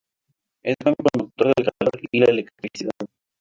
Es buen conductor del calor y la electricidad.